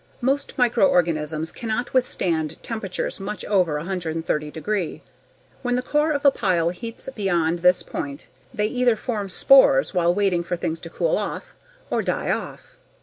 Most microorganisms cannot withstand temperatures much over 130 degree. When the core of a pile heats beyond this point they either form spores while waiting for things to cool off, or die off.